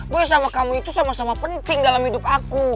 gue sama kamu itu sama sama penting dalam hidup aku